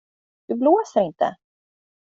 Du blåser inte.